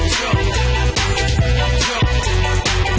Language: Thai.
สวัสดีค่ะ